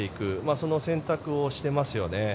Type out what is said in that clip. その選択をしていますよね。